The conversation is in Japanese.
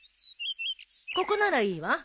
ここならいいわ。